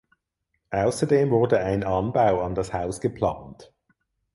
Außerdem wurde ein Anbau an das Haus geplant.